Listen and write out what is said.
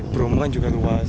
bromo kan juga luas